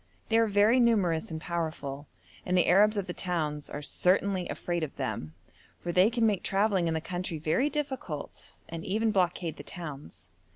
They are very numerous and powerful, and the Arabs of the towns are certainly afraid of them, for they can make travelling in the country very difficult, and even blockade the towns.